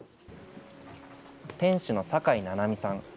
店主の酒井七海さん。